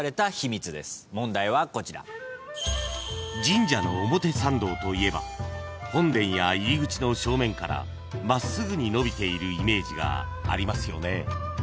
［神社の表参道といえば本殿や入り口の正面から真っすぐに延びているイメージがありますよね］